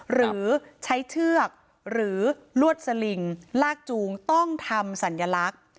หรือใช้เชือกหรือลวดสลิงลากจูงต้องทำสัญลักษณ์